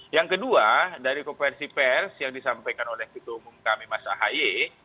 yang kedua dari konversi pers yang disampaikan oleh ketua umum kami mas ahaye